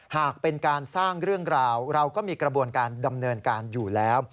หากเป็นการสร้างเรื่องราวเราก็มีกระบวนการดำเนินการอยู่แล้ว